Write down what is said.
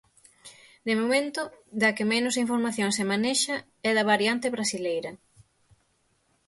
De momento, da que menos información se manexa é da variante brasileira.